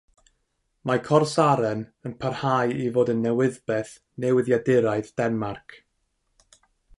Mae "corsaren" yn parhau i fod yn newyddbeth newyddiaduraeth Denmarc.